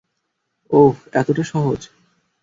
ওহ্, এতটা সহজ।